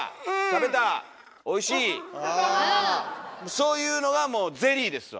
そういうのがもうゼリーですわ。